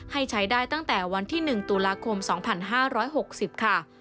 ให้ใช้ได้ตั้งแต่วันที่๑ตุลาคม๒๕๖๐ค่ะ